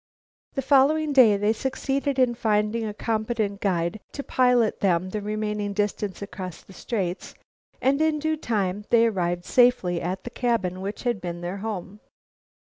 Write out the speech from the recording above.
The following day they succeeded in finding a competent guide to pilot them the remaining distance across the Straits, and in due time they arrived safely at the cabin which had been their home.